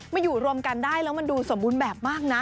อยู่รวมกันได้แล้วมันดูสมบูรณ์แบบมากนะ